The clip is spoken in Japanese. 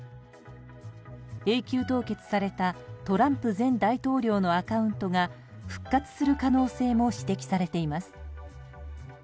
永久凍結されたトランプ前大統領のアカウントが復活する可能性も指摘されています。